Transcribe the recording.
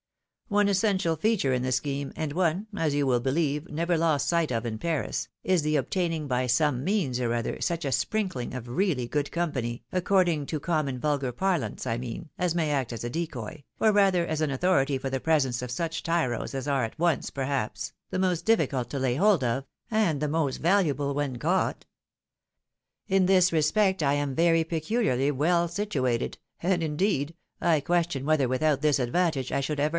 One essential feature in the scheme, and one, as you wiU beKeve, never lost sight of in Paris, is the obtaiuing by some means or other such a sprinkling of really good company, according to common wdgar parlance I mean, as may act as a decoy, or rather as an authority for the presence of such tyros as are at once, perhaps, the most difficult to lay hold of, and the most valuable when caught. In this respect I am very pecuharly well situated, and, indeed, I question whether without this advantage I should A DIGNIFIED APPODfTMENT.